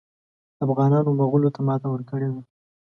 افغانانو مغولو ته ماته ورکړې ده.